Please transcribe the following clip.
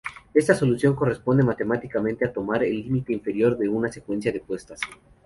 Esta solución corresponde matemáticamente a tomar el límite inferior de una secuencia de puestas.